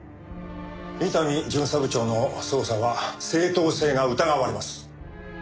伊丹巡査部長の捜査は正当性が疑われます。